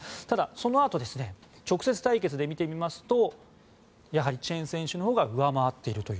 ただ、そのあと直接対決で見てみますとチェン選手のほうが上回っている。